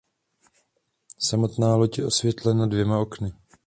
Samotná loď je osvětlena dvěma okny.